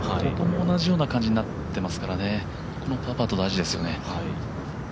ここも同じような感じになっていますから、ここのパーパット大事ですね。